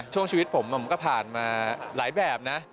ชีวิตผมก็ผ่านมาหลายแบบนะ